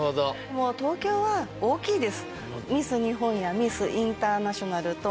もう東京は大きいです。